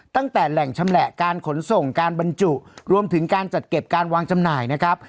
ตั้งแต่แหล่งชำแหละการขนส่งการบรรจุรวมถึงการจัดเก็บการวางจำหน่ายนะครับ